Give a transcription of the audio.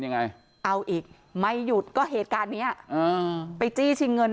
ยังไงเอาอีกไม่หยุดก็เหตุการณ์เนี้ยอ่าไปจี้ชิงเงิน